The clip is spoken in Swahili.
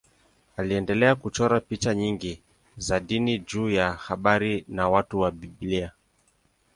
Aliendelea kuchora picha nyingi za dini juu ya habari na watu wa Biblia.